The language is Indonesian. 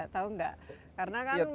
karena kan berarti